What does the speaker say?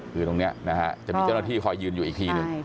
คือตรงนี้นะฮะจะมีเจ้าหน้าที่คอยยืนอยู่อีกทีหนึ่ง